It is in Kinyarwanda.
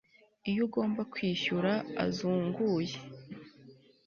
iyo ugomba kwishyura azunguye